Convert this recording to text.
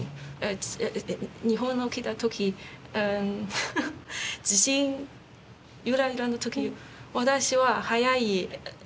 日本の来た時地震ゆらゆらの時私は早い。